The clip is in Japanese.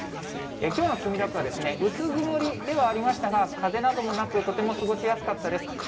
きょうの墨田区は薄曇りではありましたが、風などもなく、とても過ごしやすかったです。